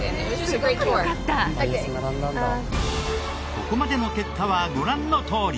ここまでの結果はご覧のとおり。